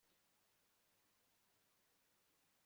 isoni byawe kugira ngo babirebe byose